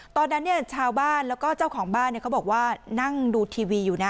ตอนนั้นชาวบ้านแล้วก็เจ้าของบ้านเขาบอกว่านั่งดูทีวีอยู่นะ